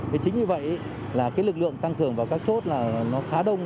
thế chính như vậy lực lượng tăng cường vào các chốt khá đông